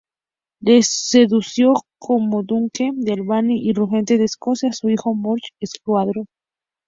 Le sucedió como duque de Albany y regente de Escocia su hijo Murdoch Estuardo.